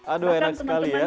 aduh enak sekali ya